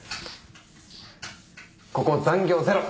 ここ残業ゼロ。